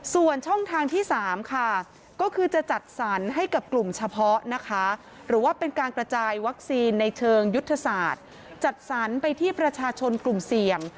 ส่วนช่องทางที่๓ค่ะก็คือจะจัดสรรให้กับกลุ่มเฉพาะนะคะหรือว่าเป็นการกระจายวัคซีนในเชิงยุทธศาสตร์จัดสรรไปที่ประชาชนกลุ่มเสี่ยง